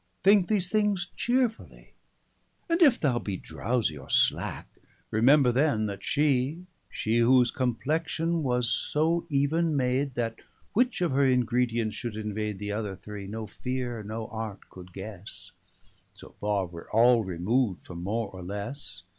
120 Thinke these things cheerefully: and if thou bee Drowsie or slacke, remember then that shee, Shee whose Complexion was so even made, That which of her Ingredients should invade The other three, no Feare, no Art could guesse: 125 So far were all remov'd from more or lesse.